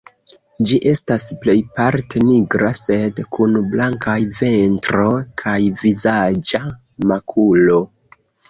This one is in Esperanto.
Ĝi estas plejparte nigra, sed kun blankaj ventro kaj vizaĝa makulo.